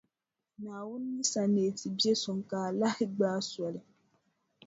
Naawuni yi sa neei ti biɛʼ suŋ ka a lahi gbaai soli.